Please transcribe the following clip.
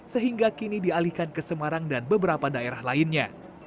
sehingga kini dialihkan ke semarang dan beberapa daerah lainnya